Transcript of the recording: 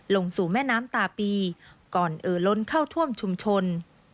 ลงสู่แม่น้ำตาปีก่อนเอ่อล้นเข้าท่วมชุมชน